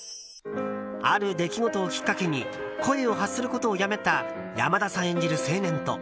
ある出来事をきっかけに声を発することをやめた山田さん